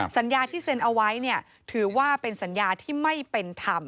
สัญญาที่เซ็นเอาไว้ถือว่าเป็นสัญญาที่ไม่เป็นธรรม